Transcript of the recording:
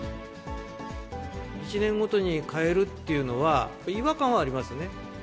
１年ごとにかえるっていうのは、違和感はありますね。